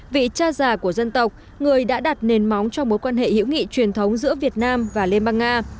vị cha già của dân tộc người đã đặt nền móng cho mối quan hệ hữu nghị truyền thống giữa việt nam và liên bang nga